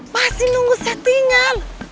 masih nunggu settingan